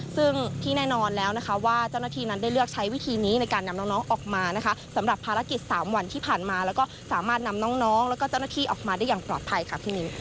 ซึ่งที่แน่นอนแล้วนะคะว่าเจ้าหน้าที่นั้นได้เลือกใช้วิธีนี้ในการนำน้องออกมานะคะสำหรับภารกิจ๓วันที่ผ่านมาแล้วก็สามารถนำน้องแล้วก็เจ้าหน้าที่ออกมาได้อย่างปลอดภัยค่ะพี่มิน